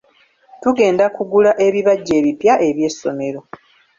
Tugenda kugula ebibajje ebipya eby'essomero.